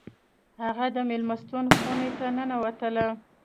هغه د میلمستون خونې ته ننوتله